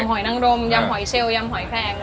ยามหอยนั่งรมยามหอยเชลวยามหอยแพง